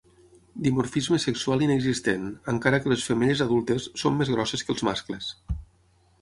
Dimorfisme sexual inexistent, encara que les femelles adultes són més grosses que els mascles.